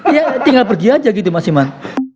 iya tinggal pergi aja gitu mas iman